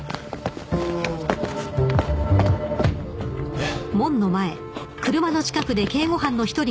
えっ？